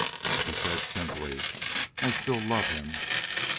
She said simply: "I still love him."